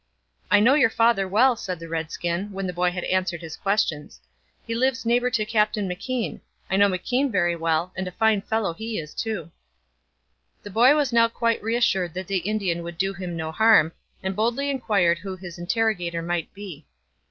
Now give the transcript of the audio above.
'I know your father well,' said the redskin, when the boy had answered his questions; 'he lives neighbour to Captain McKean. I know McKean very well, and a fine fellow he is too.' The boy was now quite reassured that the Indian would do him no harm, and boldly inquired who his interrogator might be.